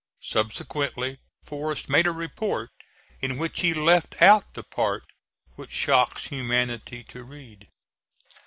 Subsequently Forrest made a report in which he left out the part which shocks humanity to read.